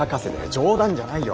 冗談じゃないよ！